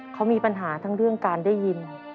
เขามีปัญหาทั้งเรื่องการได้ยิน